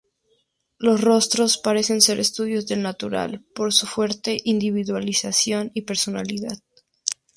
Los rostros parecen ser estudios del natural, por su fuerte individualización y personalidad.